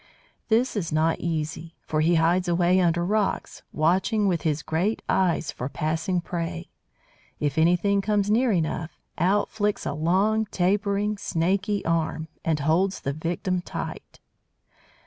This is not easy, for he hides away under rocks, watching with his great eyes for passing prey. If anything comes near enough, out flicks a long, tapering, snaky arm, and holds the victim tight.